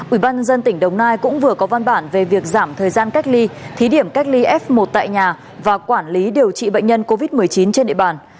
ủy ban nhân dân tỉnh đồng nai cũng vừa có văn bản về việc giảm thời gian cách ly thí điểm cách ly f một tại nhà và quản lý điều trị bệnh nhân covid một mươi chín trên địa bàn